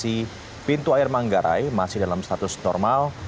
di pintu air manggarai masih dalam status normal